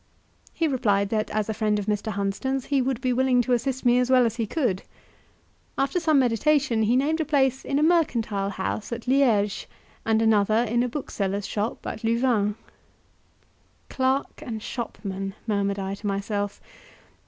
He replied that as a friend of Mr. Hunsden's he would be willing to assist me as well as he could. After some meditation he named a place in a mercantile house at Liege, and another in a bookseller's shop at Louvain. "Clerk and shopman!" murmured I to myself.